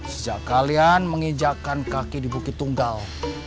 sejak kalian menginjakan kaki di bukit tunggal